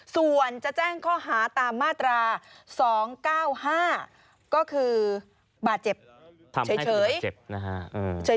ส่วนจะแจ้งข้อหาตามมาตรา๒๙๕ก็คือบาดเจ็บเฉยเจ็บนะฮะ